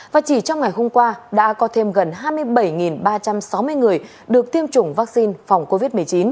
và chỉ trong ngày hôm qua đã có thêm gần hai mươi bảy ba trăm sáu mươi người được tiêm chủng vaccine phòng covid một mươi chín